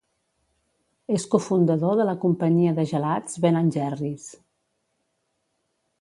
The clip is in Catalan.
És cofundador de la companyia de gelats Ben and Jerry"s.